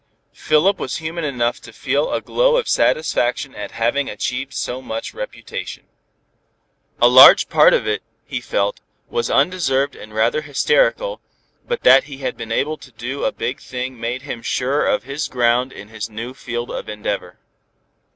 Philip was human enough to feel a glow of satisfaction at having achieved so much reputation. A large part of it, he felt, was undeserved and rather hysterical, but that he had been able to do a big thing made him surer of his ground in his new field of endeavor.